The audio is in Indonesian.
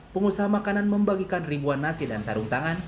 pengusaha makanan membagikan ribuan nasi dan sarung tangan